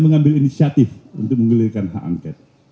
mengambil inisiatif untuk mengelirkan hak angket